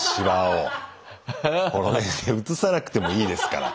写さなくてもいいですから。